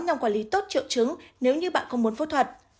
nhằm quản lý tốt triệu chứng nếu như bạn không muốn phẫu thuật